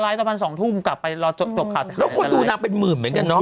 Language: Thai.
แล้วคนดูดูหน้าเป็นหมื่นเหมือนกันเนาะ